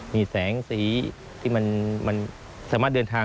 มีแสงสีที่มันสามารถเดินทาง